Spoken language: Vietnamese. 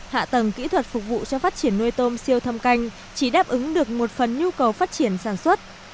hạ tầng kỹ thuật phục vụ cho phát triển nuôi tôm siêu thâm canh chỉ đáp ứng được một phần nhu cầu phát triển sản xuất